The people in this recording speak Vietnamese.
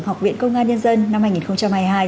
học viện công an nhân dân năm hai nghìn hai mươi hai